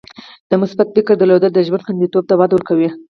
د مثبت فکر درلودل د ژوند خوندیتوب ته وده ورکوي.